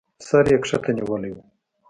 سر يې کښته نيولى و.